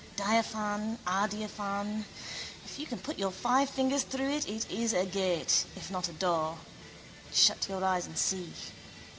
Diaphane, adiaphane. If you can put your five fingers through it it is a gate, if not a door. Shut your eyes and see.